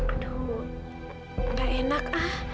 aduh nggak enak ah